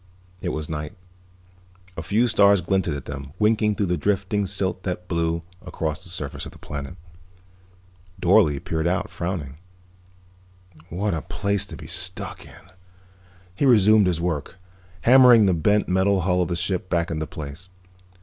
It was night. A few stars glinted above them, winking through the drifting silt that blew across the surface of the planet. Dorle peered out, frowning. "What a place to be stuck in." He resumed his work, hammering the bent metal hull of the ship back into place.